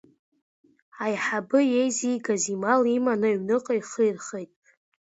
Аиҳабы иеизигаз имал иманы аҩныҟа ихы ирхеит.